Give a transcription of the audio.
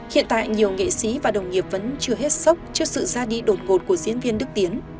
hiện tại nhiều nghệ sĩ và đồng nghiệp vẫn chưa hết sốc trước sự ra đi đột ngột của diễn viên đức tiến